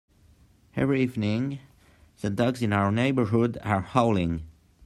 Every evening, the dogs in our neighbourhood are howling.